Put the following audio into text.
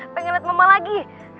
pengen liat mama lagi